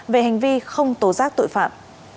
về hành vi không tố giác tội phạm